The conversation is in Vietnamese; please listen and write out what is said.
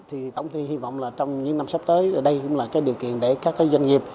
thì tổng thị hy vọng trong những năm sắp tới đây cũng là điều kiện để các doanh nghiệp